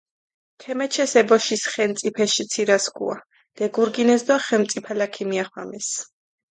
ქემეჩეს ე ბოშის ხენწიფეში ცირასქუა, დეგურგინეს დო ხენწიფალა ქიმიახვამეს.